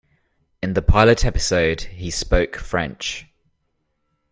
In the pilot episode, he spoke French.